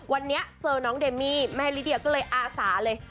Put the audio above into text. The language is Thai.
วันนี้เจอน้องเดมมี่แม่ลิเดียก็เลยอาสาเลย